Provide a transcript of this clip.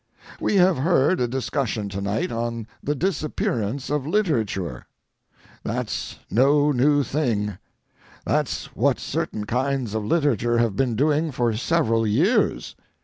We have heard a discussion to night on the disappearance of literature. That's no new thing. That's what certain kinds of literature have been doing for several years.